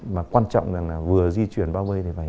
mà quan trọng là vừa di chuyển bao vây